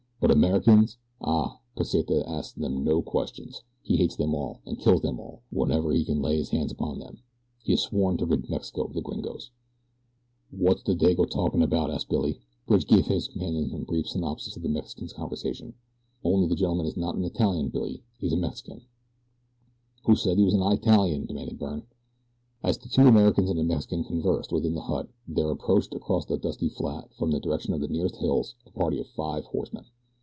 But Americans! Ah, Pesita asks them no questions. He hates them all, and kills them all, whenever he can lay his hands upon them. He has sworn to rid Mexico of the gringos." "Wot's the Dago talkin' about?" asked Billy. Bridge gave his companion a brief synopsis of the Mexican's conversation. "Only the gentleman is not an Italian, Billy," he concluded. "He's a Mexican." "Who said he was an Eyetalian?" demanded Byrne. As the two Americans and the Mexican conversed within the hut there approached across the dusty flat, from the direction of the nearer hills, a party of five horsemen.